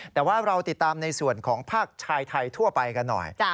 แต่ว่าเราติดตามในส่วนของภาคชายไทยทั่วไปกันหน่อย